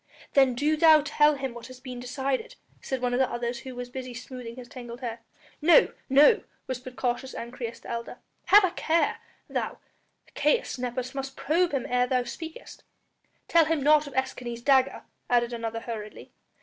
"Then do thou tell him what has been decided," said one of the others who was busy smoothing his tangled hair. "No, no!" whispered cautious Ancyrus, the elder, "have a care ... thou, Caius Nepos, must probe him ere thou speakest." "Tell him naught of Escanes' dagger," added another hurriedly.